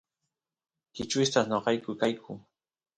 kichwistas noqayku kayku